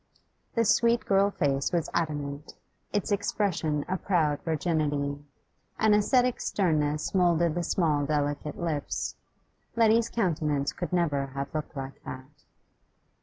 The sweet girl face was adamant, its expression a proud virginity; an ascetic sternness moulded the small, delicate lips. Letty's countenance could never have looked like that.